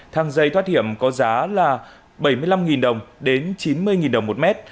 thang dây thoát hiểm có giá là bảy mươi năm nghìn đồng đến chín mươi nghìn đồng một mét